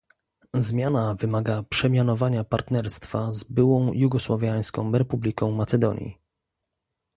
Zmiana wymaga przemianowania partnerstwa z byłą Jugosłowiańską Republiką Macedonii